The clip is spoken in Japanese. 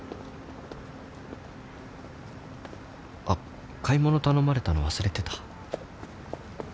あっ買い物頼まれたの忘れてた